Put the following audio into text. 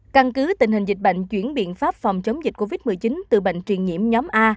căn cứ tình hình dịch bệnh chuyển biện pháp phòng chống dịch covid một mươi chín từ bệnh truyền nhiễm nhóm a